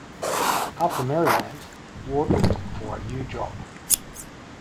After Maryland, Ward looked for a new job.